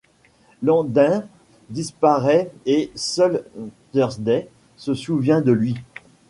Landen disparaît et seule Thursday se souvient de lui.